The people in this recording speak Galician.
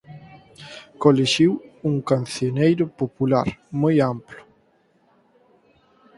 Colixiu un "Cancioneiro Popular" moi amplo.